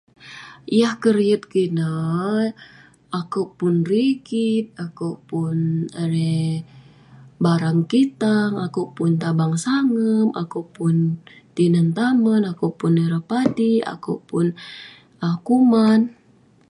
Yah keriet kik ineh akuek pun rigit akuek pun erei barang ketang akuek pun tabang sagep akuek pun tinen tamen akuek pun ireh padik akuek pun kuman